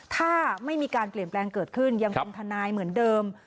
ถ้าไม่มีการเปลี่ยนแปลงเกิดขึ้นยังเป็นทนายเหมือนเดิม